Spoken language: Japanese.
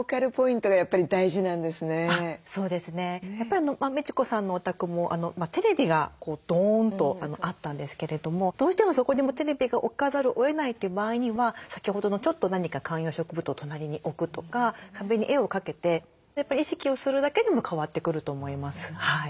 やっぱりみち子さんのお宅もテレビがドーンとあったんですけれどもどうしてもそこにもうテレビが置かざるをえないって場合には先ほどのちょっと何か観葉植物を隣に置くとか壁に絵を掛けて意識をするだけでも変わってくると思います。